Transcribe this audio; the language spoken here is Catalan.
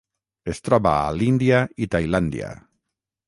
Es troba a l'Índia i Tailàndia.